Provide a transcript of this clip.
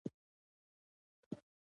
دا سازمان په تدریجي ډول د دولت په بڼه بدل شو.